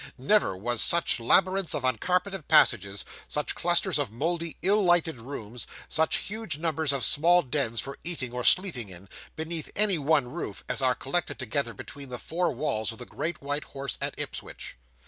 Never was such labyrinths of uncarpeted passages, such clusters of mouldy, ill lighted rooms, such huge numbers of small dens for eating or sleeping in, beneath any one roof, as are collected together between the four walls of the Great White Horse at Ipswich.